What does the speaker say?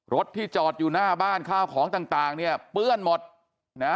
รถที่จอดอยู่หน้าบ้านข้าวของต่างต่างเนี่ยเปื้อนหมดนะ